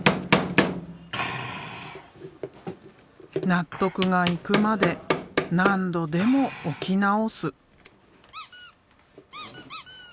納得がいくまで何度でも置き直す。